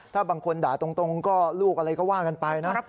ถ้าบางคนด่าตรงก็ลูกอะไรก็ว่ากันไปนะ